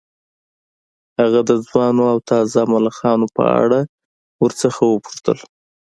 هغه د ځوانو او تازه ملخانو په اړه ورڅخه وپوښتل